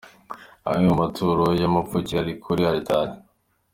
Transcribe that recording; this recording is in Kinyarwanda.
Amwe mu maturo y’amapfukire ari kuri Alitari.